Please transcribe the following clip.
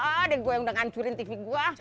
adek gua yang udah ngancurin tv gua